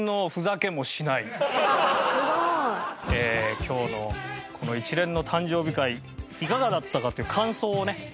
すごい！今日のこの一連の誕生日会いかがだったかという感想をね